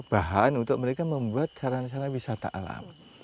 bahan untuk mereka membuat sarana sarana wisata alam